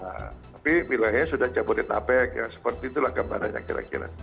ya tapi wilayahnya sudah cabutin tapek ya seperti itulah kemarin kira kira